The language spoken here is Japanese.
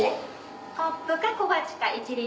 コップか小鉢か一輪